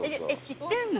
知ってんの？